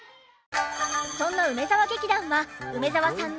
そんな梅沢劇団は梅沢さんの